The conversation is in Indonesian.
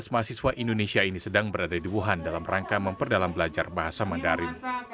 tujuh belas mahasiswa indonesia ini sedang berada di wuhan dalam rangka memperdalam belajar bahasa mandarin